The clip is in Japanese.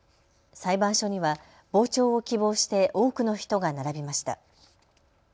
裁判所には傍聴を希望して多くの人が並びました。